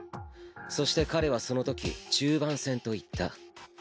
そして彼はそのとき中盤戦と言った。